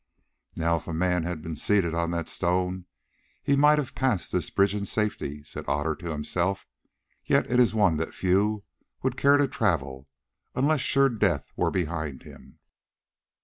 "Now, if a man had been seated on that stone he might have passed this bridge in safety," said Otter to himself; "yet it is one that few would care to travel, unless sure death were behind them."